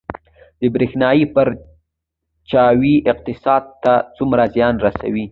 د بریښنا پرچاوي اقتصاد ته څومره زیان رسوي؟